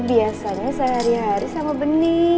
biasanya sehari hari sama benih